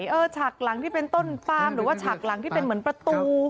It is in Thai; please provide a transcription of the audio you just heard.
ฉากหลังที่เป็นต้นปามหรือว่าฉากหลังที่เป็นเหมือนประตู